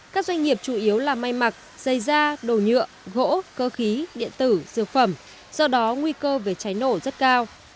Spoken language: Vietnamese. các doanh nghiệp chủ yếu là may mặc dây da đồ nhựa gỗ cơ khí điện tử dược phẩm do đó nguy cơ về cháy nổ rất cao